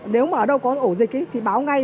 nếu mà ở đâu có ổ dịch thì báo ngay